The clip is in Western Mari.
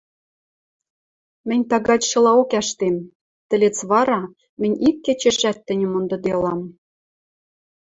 Мӹнь тагачшылаок ӓштем... тӹлец вара мӹнь ик кечешӓт тӹньӹм мондыделам...